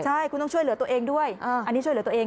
ใช่คุณต้องช่วยเหลือตัวเองด้วยอันนี้ช่วยเหลือตัวเอง